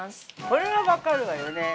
◆これは分かるわよね。